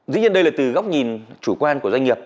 dĩ nhiên đây là từ góc nhìn chủ quan của doanh nghiệp